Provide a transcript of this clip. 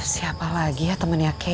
siapa lagi ya temennya kay